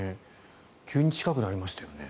急に近くなりましたよね。